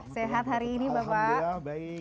sehat hari ini bapak